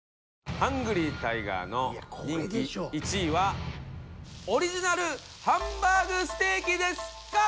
ハングリータイガーの人気１位はオリジナルハンバーグステーキですか？